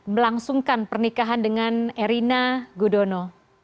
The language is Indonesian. melangsungkan pernikahan dengan erina gudono